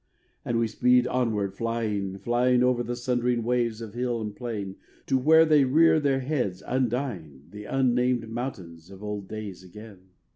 And we speed onward flying, flying, Over the sundering waves of hill and plain To where they rear their heads undying The unnamed mountains of old days again.